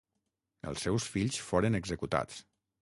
Els seus fills foren executats.